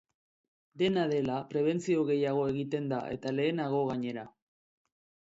Dena dela, prebentzio gehiago egiten da, eta lehenago, gainera.